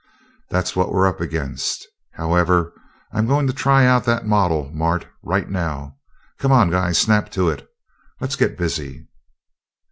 That's what we're up against! However, I'm going to try out that model, Mart, right now. Come on, guy, snap into it! Let's get busy!"